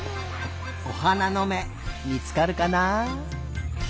おはなのめみつかるかな？